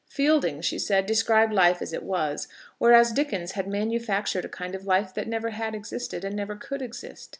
Fielding, she said, described life as it was; whereas Dickens had manufactured a kind of life that never had existed, and never could exist.